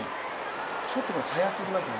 ちょっとこれ、速すぎますね。